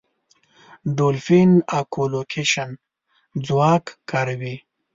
ډولفین اکولوکېشن ځواک کاروي.